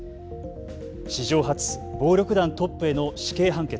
史上初暴力団トップへの死刑判決。